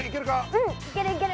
うんいけるいける。